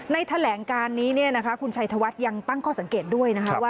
แถลงการนี้คุณชัยธวัฒน์ยังตั้งข้อสังเกตด้วยนะคะว่า